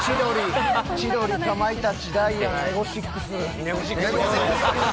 千鳥、かまいたちダイアン、ネゴシックス。